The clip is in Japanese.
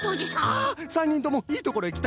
あっ３にんともいいところへきた。